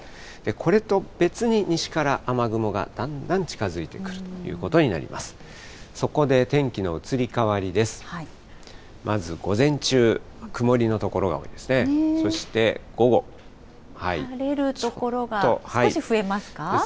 これと別に西から雨雲がだんだん近づいてくるということになります。